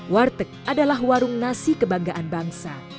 warteg adalah warung nasi kebanggaan bangsa